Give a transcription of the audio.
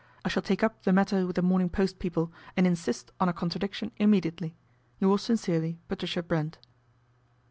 I shall take up the matter with The Morning Post people and insist on a contradiction immediately. " Yours sincerely, "PATRICIA BRENT."